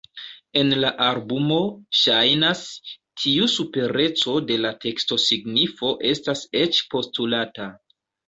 En la albumo, ŝajnas, tiu supereco de la tekstosignifo estas eĉ postulata.